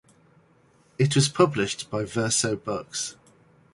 It was published by Verso Books.